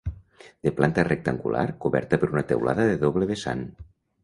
De planta rectangular, coberta per una teulada de doble vessant.